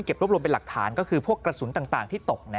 รวบรวมเป็นหลักฐานก็คือพวกกระสุนต่างที่ตก